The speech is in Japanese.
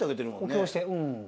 補強して。